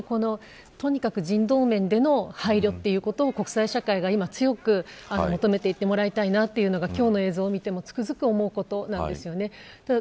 とにかく人道面での配慮ということを国際社会が今強く求めていってもらいたいというのが、今日の映像を見てもつくづく思うことなんですよね。